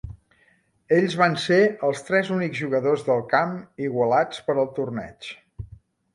Ells van ser els tres únics jugadors del camp igualats per al torneig.